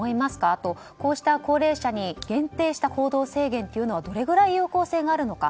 あと、こうした高齢者に限定した行動制限というのはどれぐらい有効性があるのか。